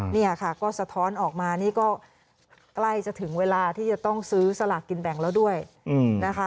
เนี่ยค่ะก็สะท้อนออกมานี่ก็ใกล้จะถึงเวลาที่จะต้องซื้อสลากกินแบ่งแล้วด้วยนะคะ